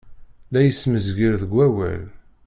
La ismezgir deg wawal.